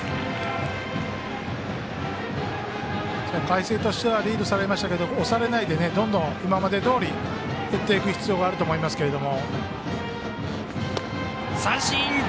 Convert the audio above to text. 海星としてはリードされましたけど押されないでどんどん今までどおり打っていく必要があると思いますけども。